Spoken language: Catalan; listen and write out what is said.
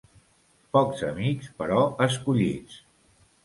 Pocs amics, però escollits.